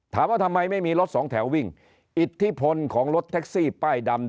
ถามว่าทำไมไม่มีรถสองแถววิ่งอิทธิพลของรถแท็กซี่ป้ายดำ